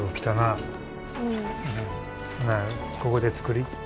ほなここで作り。